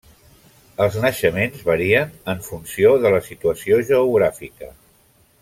Els naixements varien en funció de la situació geogràfica.